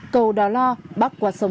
cầu đào lo bắc quảng sơn